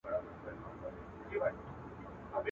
د دانو په اړولو کي سو ستړی.